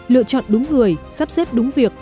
lựa chọn đúng người sắp xếp đúng việc